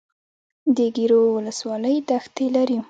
د ګیرو ولسوالۍ دښتې لري